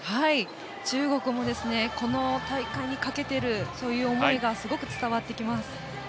中国もこの大会にかけているその思いがすごく伝わってきます。